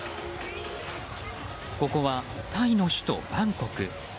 ここはタイの首都バンコク。